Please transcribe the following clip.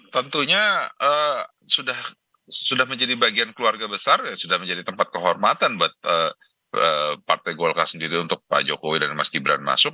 tentunya sudah menjadi bagian keluarga besar dan sudah menjadi tempat kehormatan buat partai golkar sendiri untuk pak jokowi dan mas gibran masuk